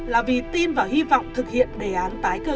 là vì tin và hy vọng thực hiện đề án tái cơ